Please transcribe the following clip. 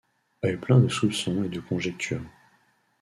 Œil plein de soupçon et de conjectures.